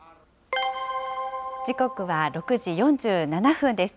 時刻は６時４７分です。